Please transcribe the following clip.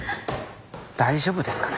大丈夫ですかね？